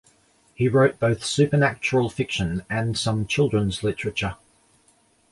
He wrote both supernatural fiction and some children's literature.